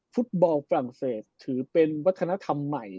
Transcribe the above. ฟุตบอลฝรั่งเศสถือเป็นวัฒนธรรมใหม่